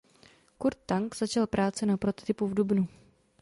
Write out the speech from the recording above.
Kurt Tank začal práce na prototypu v dubnu.